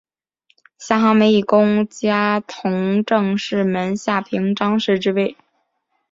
夏行美以功加同政事门下平章事之位。